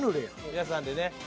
皆さんでね。